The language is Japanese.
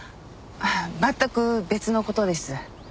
全く別の事です。